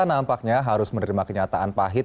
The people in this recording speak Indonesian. nampaknya harus menerima kenyataan pahit